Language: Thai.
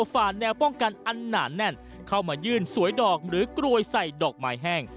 ฝ่าแนวป้องกันอันหนาแน่นเข้ามายื่นสวยดอกหรือกรวยใส่ดอกไม้แห้ง